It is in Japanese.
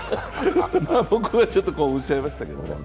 僕はちょっと興奮しちゃいましたけどね。